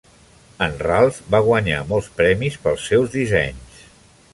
En Ralph va guanyar molts premis pels seus dissenys.